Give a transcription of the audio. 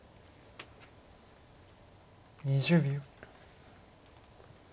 ２０秒。